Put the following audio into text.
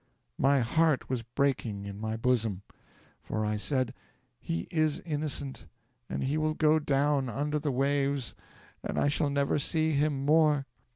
My heart was breaking in my bosom, for I said, "He is innocent, and he will go down under the waves and I shall never see him more."